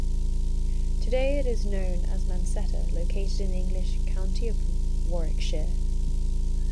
Today it is known as Mancetter, located in the English county of Warwickshire.